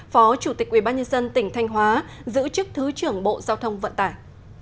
phó chủ tịch ubnd tỉnh thanh hóa giữ chức thứ trưởng bộ giao thông vận tải